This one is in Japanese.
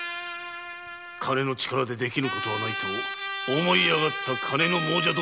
金の力でできぬことはないと思いあがった金の亡者どもめ！